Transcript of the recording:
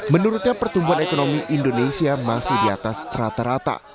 menurutnya pertumbuhan ekonomi indonesia masih di atas rata rata